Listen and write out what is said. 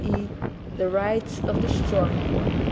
e., the rights of the strong.